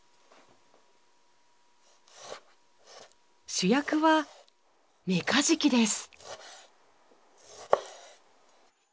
主役はメカジキです。